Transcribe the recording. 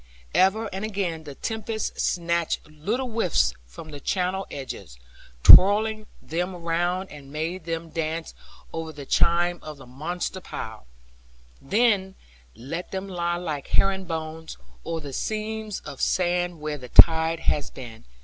Ever and again the tempest snatched little whiffs from the channelled edges, twirled them round and made them dance over the chime of the monster pile, then let them lie like herring bones, or the seams of sand where the tide has been.